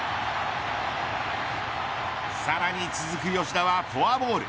さらに続く吉田はフォアボール。